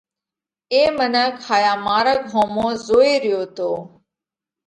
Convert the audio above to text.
اي منک هايا مارڳ ۿومو زوئي ريو تو۔